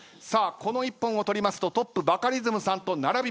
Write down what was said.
この一本を取りますとトップバカリズムさんと並びます。